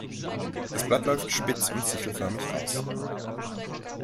Das Blatt läuft spitz sichelförmig aus.